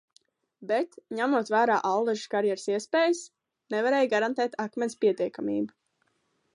Bet, ņemot vērā Allažu karjera iespējas, nevarēja garantēt akmens pietiekamību.